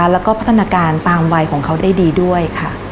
แล้วก็พัฒนาการตามวัยของเขาได้ดีด้วยค่ะ